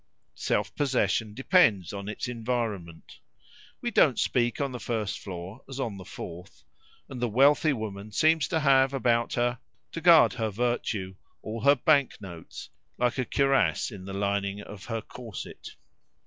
Self possession depends on its environment. We don't speak on the first floor as on the fourth; and the wealthy woman seems to have, about her, to guard her virtue, all her banknotes, like a cuirass in the lining of her corset.